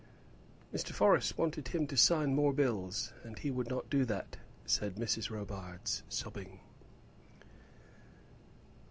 "Mr. Forrest wanted him to sign more bills, and he would not do that," said Mrs. Robarts, sobbing.